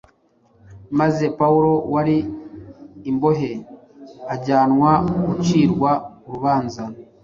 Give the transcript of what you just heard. maze Pawulo wari imbohe ajyanwe gucirwa urubanza